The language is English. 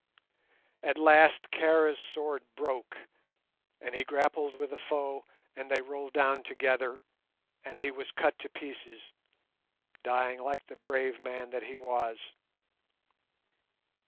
At last Kara's sword broke, and he grappled with a foe, and they rolled down together, and he was cut to pieces, dying like the brave man that he was.